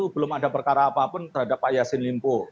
belum ada perkara apapun terhadap pak yassin limpo